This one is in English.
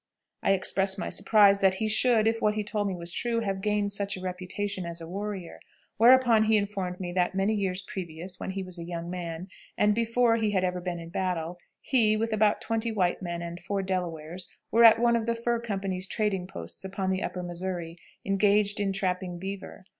I expressed my surprise that he should, if what he told me was true, have gained such a reputation as a warrior; whereupon he informed me that many years previous, when he was a young man, and before he had ever been in battle, he, with about twenty white men and four Delawares, were at one of the Fur Company's trading posts upon the Upper Missouri, engaged in trapping beaver.